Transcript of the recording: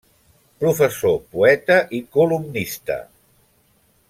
Professor, poeta i columnista.